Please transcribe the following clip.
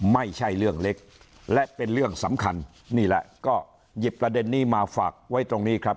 ไม่ใช่เรื่องเล็กและเป็นเรื่องสำคัญนี่แหละก็หยิบประเด็นนี้มาฝากไว้ตรงนี้ครับ